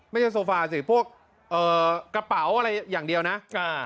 โซฟาสิพวกเอ่อกระเป๋าอะไรอย่างเดียวนะอ่า